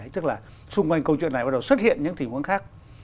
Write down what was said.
tức là xung quanh câu chuyện này bắt đầu xuất hiện những tình huống khác